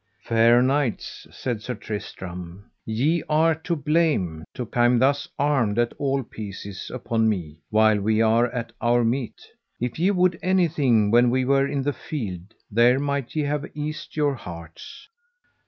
Fair knights, said Sir Tristram, ye are to blame to come thus armed at all pieces upon me while we are at our meat; if ye would anything when we were in the field there might ye have eased your hearts.